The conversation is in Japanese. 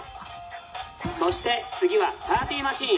そして次はパーティーマシーン。